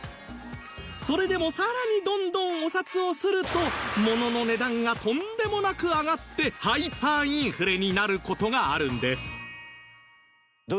それでもさらにどんどんお札を刷るとものの値段がとんでもなく上がってハイパーインフレになる事があるんです